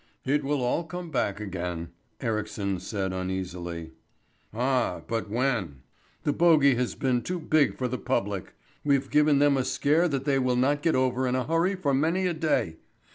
"It will all come back again," Ericsson said uneasily. "Ah, but when? The bogey has been too big for the public. We've given them a scare that they will not get over in a hurry for many a day.